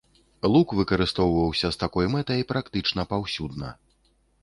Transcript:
Лук выкарыстоўваўся з такой мэтай практычна паўсюдна.